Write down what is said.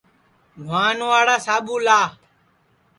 نوہانواڑا ساٻو لیا